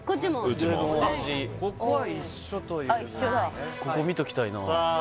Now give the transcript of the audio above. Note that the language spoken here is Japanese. うちもここは一緒というここ見ときたいなさあ